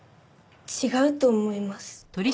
違うと思います。